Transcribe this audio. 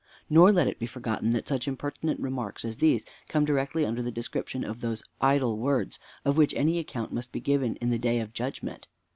Nor let it be forgotten that such impertinent remarks as these come directly under the description of those 'idle words,' of which an account must be given in the day of judgment.